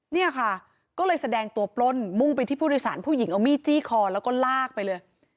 เนี่ยค่ะก็เลยแสดงตัวปล้นมุ่งไปที่ผู้โดยสารผู้หญิงเอามีดจี้คอแล้วก็ลากไปเลย